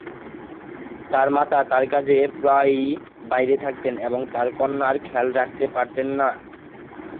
তার মাতা তার কাজে প্রায়ই বাইরে থাকতেন এবং তার কন্যার খেয়াল রাখতে পারতেন না।